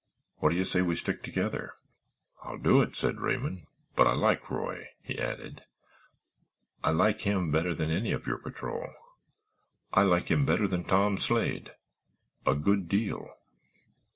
What do you say we stick together?" "I'll do it," said Raymond, "but I like Roy," he added. "I like him better than any of your patrol—I like him better than Tom Slade—a good deal."